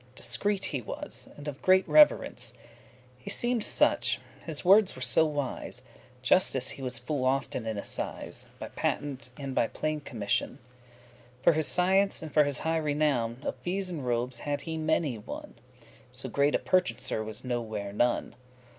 Discreet he was, and of great reverence: He seemed such, his wordes were so wise, Justice he was full often in assize, By patent, and by plein* commission; *full For his science, and for his high renown, Of fees and robes had he many one. So great a purchaser was nowhere none.